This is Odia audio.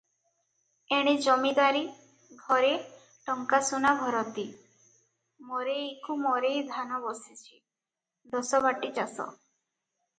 ଏଣେ ଜମିଦାରୀ - ଘରେ ଟଙ୍କା ସୁନା ଭରତି, ମରେଇକୁ ମରେଇ ଧାନ ବସିଛି, ଦଶ ବାଟି ଚାଷ ।